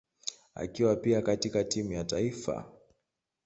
akiwa pia katika timu ya taifa.